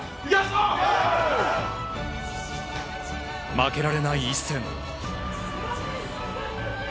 負けられない一戦。